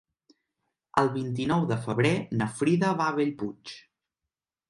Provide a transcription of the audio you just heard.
El vint-i-nou de febrer na Frida va a Bellpuig.